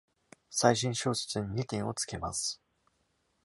最新小説に二点をつけます